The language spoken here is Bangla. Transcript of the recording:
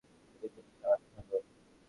তুমি শুধু চালাতে থাকো!